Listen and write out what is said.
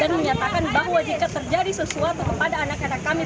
dan menyatakan bahwa jika terjadi sesuatu kepada anak anak kami